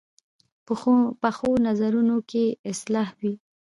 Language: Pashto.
پخو نظرونو کې اصلاح وي